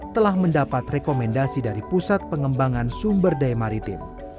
telah mendapat rekomendasi dari pusat pengembangan sumber daya maritim